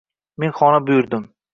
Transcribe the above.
Men xona buyurdim.